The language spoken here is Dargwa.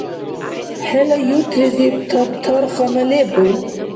ХӀела юртлизиб табтархана лебу?